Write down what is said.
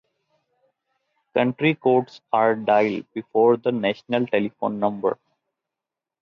Country codes are dialed before the national telephone number.